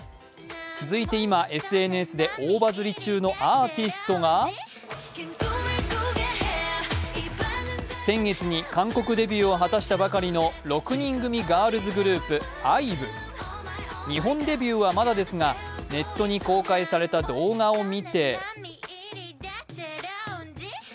続いて今、ＳＮＳで大バズり中のアーティストが先月に韓国デビューを果たしたばかりの６人組ガールズグループ、ＩＶＥ。日本デビューはまだですが、ネットに公開された動画を見て